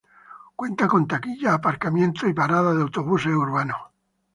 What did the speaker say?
Cuenta con taquillas, aparcamiento y parada de autobuses urbanos.